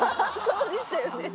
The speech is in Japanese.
そうでしたよね